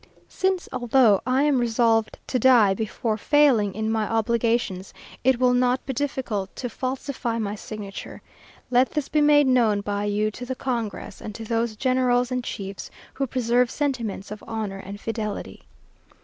Since, although I am resolved to die before failing in my obligations, it will not be difficult to falsify my signature. Let this be made known by you to the Congress, and to those generals and chiefs who preserve sentiments of honour and fidelity.